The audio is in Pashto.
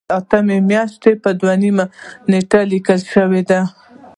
دا د اتمې میاشتې په دویمه نیټه لیکل شوې ده.